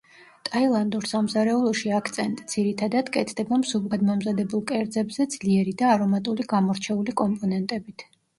ტაილანდურ სამზარეულოში აქცენტი, ძირითადად, კეთდება მსუბუქად მომზადებულ კერძებზე ძლიერი და არომატული გამორჩეული კომპონენტებით.